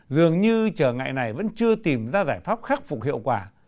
dường như trở ngại này vẫn chưa tìm ra giải pháp khắc phục hiệu quả